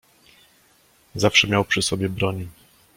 "Zawsze miał przy sobie broń."